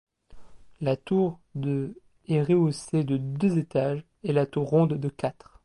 La tour de est rehaussée de deux étages et la tour ronde de quatre.